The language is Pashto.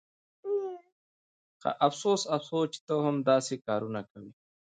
افسوس افسوس چې ته هم داسې کارونه کوې